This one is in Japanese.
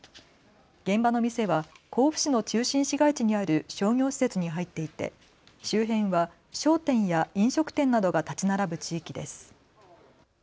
現場の店は甲府市の中心市街地にある商業施設に入っていて周辺は商店や飲食店などが建ち並ぶ地域です。